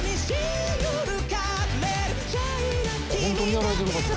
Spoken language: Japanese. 本当にやられてる方や。